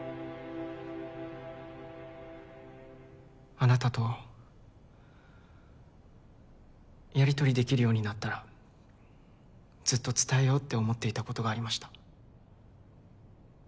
あなたとやりとりできるようになったらずっと伝えようって思っていたことがありました。